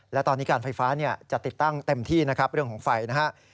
และตอนนี้การไฟฟ้าจะติดตั้งเต็มที่นะครับเรื่องของไฟนะครับ